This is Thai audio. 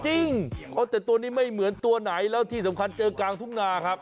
จริงแต่ตัวนี้ไม่เหมือนตัวไหนแล้วที่สำคัญเจอกลางทุ่งนาครับ